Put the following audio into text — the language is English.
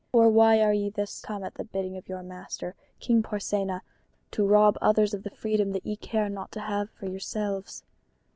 or why are ye thus come at the bidding of your master, King Porsenna, to rob others of the freedom that ye care not to have for yourselves?"